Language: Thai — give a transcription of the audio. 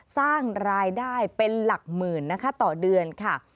สร้างรายได้เป็นหลักหมื่นนะคะต่อเดือนค่ะ